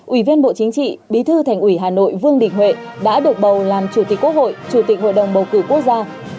ủy viên bộ chính trị bí thư thành ủy hà nội vương đình huệ đã được bầu làm chủ tịch quốc hội chủ tịch hội đồng bầu cử quốc gia